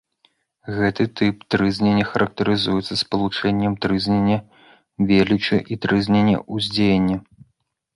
Гэты тып трызнення характарызуецца спалучэннем трызнення велічы і трызнення ўздзеяння.